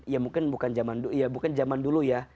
ya mungkin bukan zaman dulu ya